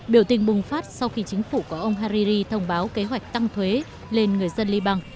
biểu tình bùng phát sau khi chính phủ của ông hariri thông báo kế hoạch tăng thuế lên người dân liban